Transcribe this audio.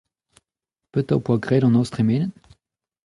Petra ho poa graet an noz tremenet ?